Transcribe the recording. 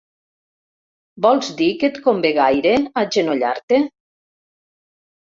¿Vols dir que et convé gaire, agenollar-te?